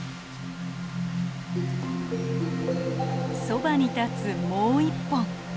そばに立つもう１本。